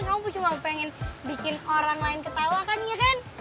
kamu cuma pengen bikin orang lain ketawa kan ya kan